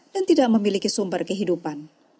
dan tidak memiliki sumber kehidupan